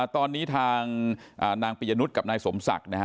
ตอนนี้ทางนางปิยนุฑกับนายสมศักดิ์